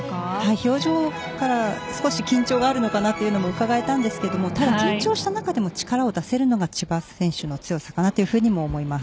表情から少し緊張があるのかなというのもうかがえたんですがただ緊張した中でも力を出せるのが千葉選手の強さかなとも思います。